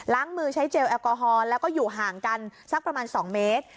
มือใช้เจลแอลกอฮอลแล้วก็อยู่ห่างกันสักประมาณ๒เมตร